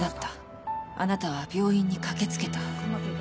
あなたは病院に駆けつけた。